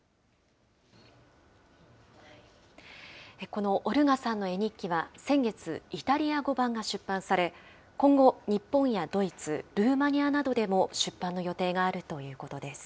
このオルガさんの絵日記は、先月、イタリア語版が出版され、今後、日本やドイツ、ルーマニアなどでも、出版の予定があるとい次です。